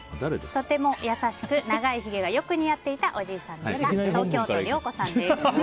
とても優しく長いひげがよく似合っていたおじいさんでした。